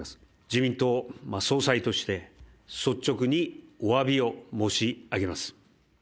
自民党総裁として、率直におわびを申し上げます。